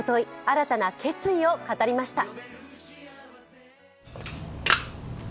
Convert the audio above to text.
新たな決意を語りました。